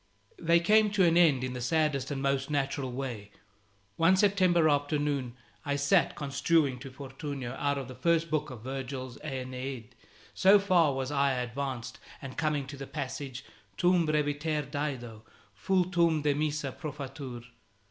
They came to an end in the saddest and most natural way. One September afternoon I sat construing to Fortunio out of the first book of Virgil's "Aeneid" so far was I advanced; and coming to the passage "Tum breviter Dido, vultum demissa, profatur".